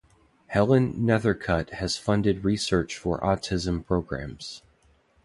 Helen Nethercutt has funded research for autism programs.